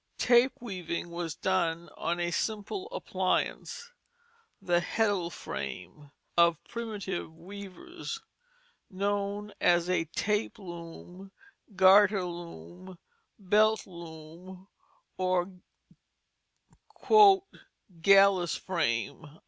Tape weaving was done on a simple appliance, the heddle frame of primitive weavers, known as a tape loom, garter loom, belt loom, or "gallus frame."